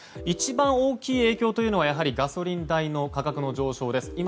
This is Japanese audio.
一番大きい影響というのはガソリンの価格の上昇です。